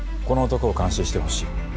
この男を監視して欲しい。